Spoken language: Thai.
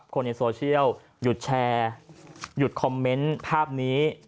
คนในโซเชียลหยุดแชร์หยุดคอมเมนต์ภาพนี้